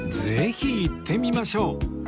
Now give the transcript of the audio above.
ぜひ行ってみましょう！